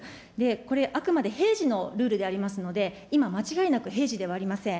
これあくまで平時のルールでありますので、今間違いなく平時ではありません。